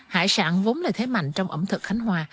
hải sản vốn là thế mạnh trong ẩm thực khánh hòa